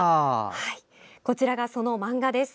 こちらがその漫画です。